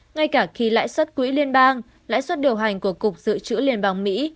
ngay cả khi lãi suất quỹ liên bang lãi suất điều hành của cục dự trữ liên bang mỹ